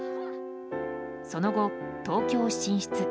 その後、東京進出。